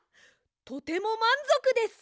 とてもまんぞくです！